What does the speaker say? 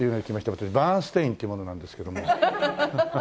私バーンスタインっていう者なんですけども。